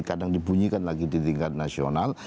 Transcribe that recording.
kadang dibunyikan lagi di tingkat nasional